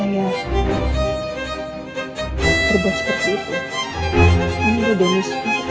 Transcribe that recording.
gak ada kabar lagi